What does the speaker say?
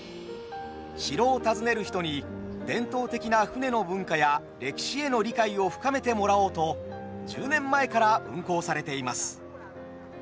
城を訪ねる人に伝統的な船の文化や歴史への理解を深めてもらおうと１０年前から運行されています。